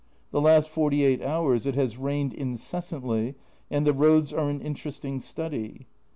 The last forty eight hours it has rained incessantly, and the roads are an interesting study.